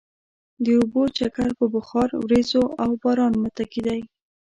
د اوبو چکر په بخار، ورېځو او باران متکي دی.